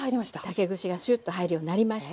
竹串がシュッと入るようになりました。